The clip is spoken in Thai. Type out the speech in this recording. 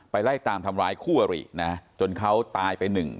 ไล่ตามทำร้ายคู่อรินะจนเขาตายไปหนึ่ง